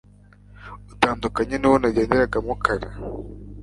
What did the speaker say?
utandukanye nuwo nagenderagamo kare